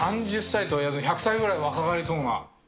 ３０歳といわず１００歳ぐらい若返りそうな。